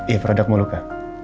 iya produk mau luka